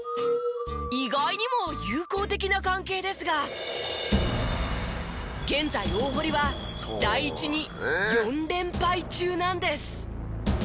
意外にも友好的な関係ですが現在大濠は第一に４連敗中なんです。